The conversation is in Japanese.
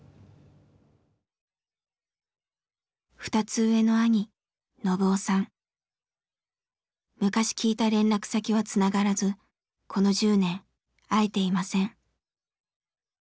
２つ上の昔聞いた連絡先はつながらずこの１０年会えていません。